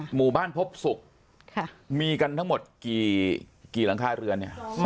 หมู่บ้านพบศุกร์มีกันทั้งหมดกี่หลังคาเรือนเนี่ย